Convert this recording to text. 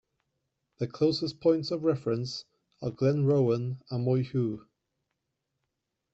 The closest points of reference are Glenrowan and Moyhu.